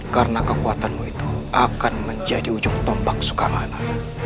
karena kekuatanmu itu akan menjadi ujung tombak sukamana